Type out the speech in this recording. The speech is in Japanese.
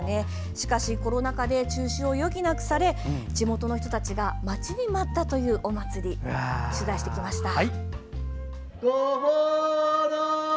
しかし、コロナ禍で中止を余儀なくされ地元の人たちが待ちに待ったというお祭りを取材しました。